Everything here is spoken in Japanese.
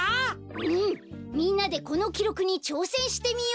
うんみんなでこのきろくにちょうせんしてみようよ。